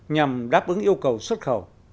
nhằm đáp ứng yêu cầu xuất khẩu